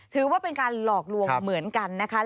ถือว่าเป็นการหลอกลวงเหมือนกันนะคะ